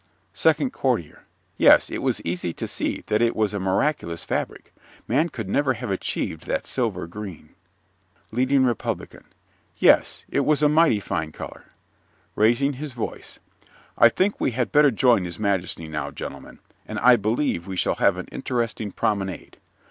SECOND COURTIER Yes, it was easy to see that it was a miraculous fabric. Man could never have achieved that silver green. LEADING REPUBLICAN Yes, it was a mighty fine color. (Raising his voice.) I think we had better join his majesty now, gentlemen, and I believe we shall have an interesting promenade.